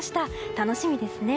楽しみですね。